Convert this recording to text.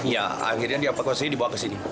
iya akhirnya dievokasi dibawa ke sini